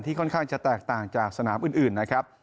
ค่อนข้างจะแตกต่างจากสนามอื่นนะครับ